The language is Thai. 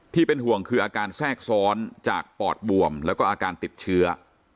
ที่เป็นห่วงคืออาการแทรกซ้อนจากปอดบวมแล้วก็อาการติดเชื้อ